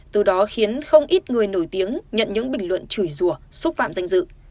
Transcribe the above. từ đó khiến không ít người nổi tiếng nhận những bình luận chùi rùa xúc phạm danh dự